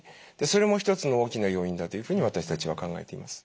それも一つの大きな要因だというふうに私たちは考えています。